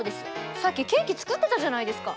さっきケーキ作ってたじゃないですか。